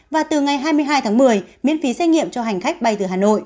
và từ ngày hai mươi hai tháng một mươi miễn phí xét nghiệm cho hành khách bay từ hà nội